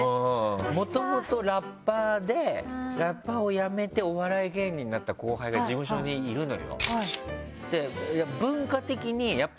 元々ラッパーでラッパーをやめてお笑い芸人になった後輩が事務所にいるのよ。